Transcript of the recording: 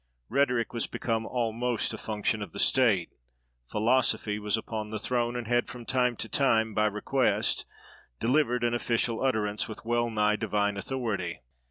Rhetoric was become almost a function of the state: philosophy was upon the throne; and had from time to time, by request, delivered an official utterance with well nigh divine authority.